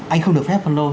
anh không được phép phân lô